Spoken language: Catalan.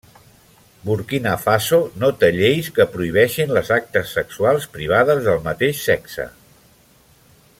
Burkina Faso no té lleis que prohibeixin les actes sexuals privades del mateix sexe.